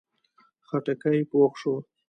خټکی پوخ شو.